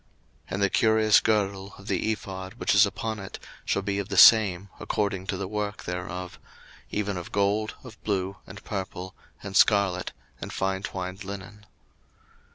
02:028:008 And the curious girdle of the ephod, which is upon it, shall be of the same, according to the work thereof; even of gold, of blue, and purple, and scarlet, and fine twined linen.